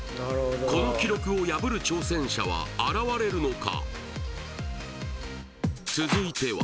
この記録を破る挑戦者は現れるのか？